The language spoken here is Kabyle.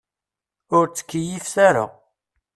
Ur ttkeyyifet ara.